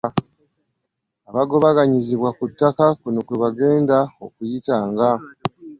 Abagobaganyizibwa ku ttaka kuno kwebagenda okuyitanga